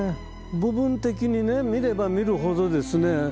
部分的にね見れば見るほどですね